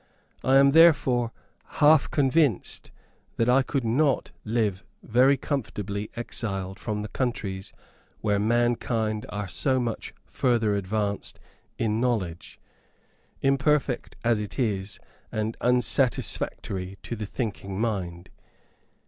I am therefore half convinced that I could not live very comfortably exiled from the countries where mankind are so much further advanced in knowledge, imperfect as it is, and unsatisfactory to the thinking mind.